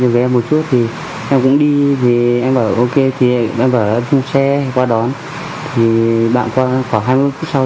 cơ quan đó một cách thông minh của rằng câu x off sẽ có đôi thế giới cùng đấy